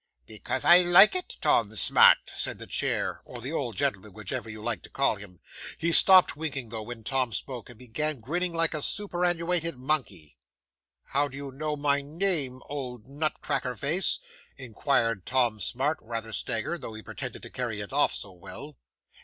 '"Because I like it, Tom Smart," said the chair; or the old gentleman, whichever you like to call him. He stopped winking though, when Tom spoke, and began grinning like a superannuated monkey. '"How do you know my name, old nut cracker face?" inquired Tom Smart, rather staggered; though he pretended to carry it off so well.